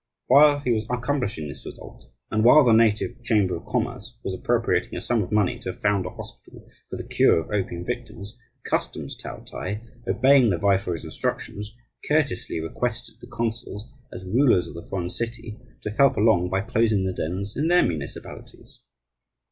While he was accomplishing this result, and while the native Chamber of Commerce was appropriating a sum of money to found a hospital for the cure of opium victims, the "Customs Taotai," obeying the viceroy's instructions, courteously requested the consuls, as rulers of the foreign city, to help along by closing the dens in their municipalities.